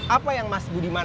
apa yang mas budiman